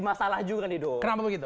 masalah juga nih dong